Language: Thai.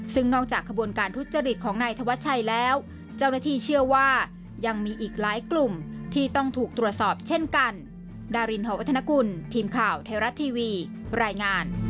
ซึ่งนอกจากขบวนการทุจริตของนายธวัชชัยแล้วเจ้าหน้าที่เชื่อว่ายังมีอีกหลายกลุ่มที่ต้องถูกตรวจสอบเช่นกัน